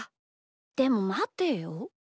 でもまてよ？